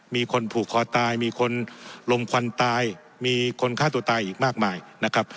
มีคนผูกคอตายมีคนลมควันตายมีคนฆ่าตัวตายอีกมากมายนะครับ